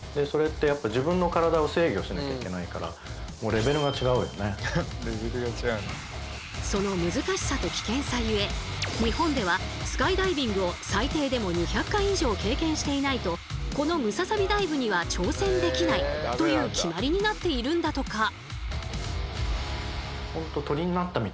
それってやっぱ自分の体を制御しなきゃいけないからその難しさと危険さゆえ日本ではスカイダイビングを最低でも２００回以上経験していないとこのムササビダイブには挑戦できないという決まりになっているんだとか。